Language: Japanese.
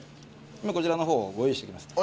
こちらの方ご用意してきます。